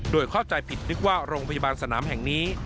โดยเข้าใจผิดนึกว่าโรงพยาบาลสนามแห่งนี้